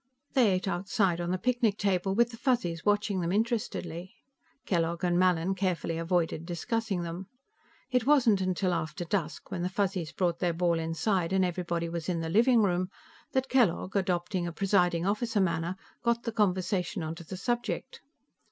They ate outside on the picnic table, with the Fuzzies watching them interestedly. Kellogg and Mallin carefully avoided discussing them. It wasn't until after dusk, when the Fuzzies brought their ball inside and everybody was in the living room, that Kellogg, adopting a presiding officer manner, got the conversation onto the subject.